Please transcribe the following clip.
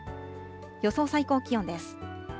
予想最高気温です。